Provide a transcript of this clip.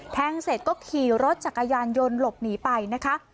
แทงเสร็จก็ขี่รถจักรยานยนต์หลบหนีไปนะคะ